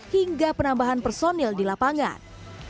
hingga penambahan personil di lapangan